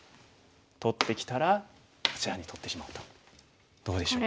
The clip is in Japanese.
取ってきたらこちらに取ってしまうとどうでしょう？